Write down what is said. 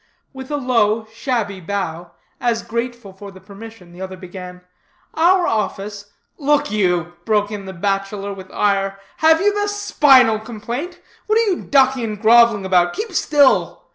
With a low, shabby bow, as grateful for the permission, the other began: "Our office " "Look you," broke in the bachelor with ire, "have you the spinal complaint? What are you ducking and groveling about? Keep still.